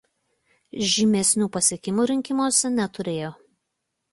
Žymesnių pasiekimų rinkimuose neturėjo.